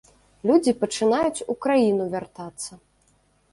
Людзі пачынаюць у краіну вяртацца.